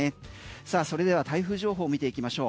さあそれでは台風情報を見ていきましょう。